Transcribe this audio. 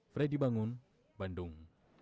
freddy bangun bandung